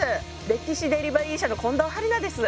歴史デリバリー社の近藤春菜です。